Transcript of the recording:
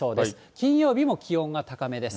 金曜日も気温が高めです。